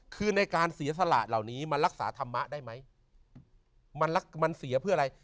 คือในการเสียสละเหล่านี้มันรักษาธรรมะได้ไหมมันเสียเพื่ออะไร